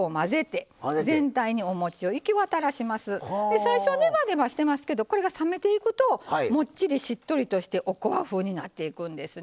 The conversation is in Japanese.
最初はねばねばしてますけどこれが冷めていくともっちりしっとりとしておこわ風になっていくんですね。